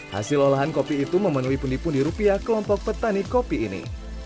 hasil olahan kopi itu memenuhi pundi pundi rupiah kelompok petani kopi ini